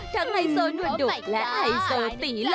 ทั้งไอโซหนูดดุกและไอโซหตีหล่อ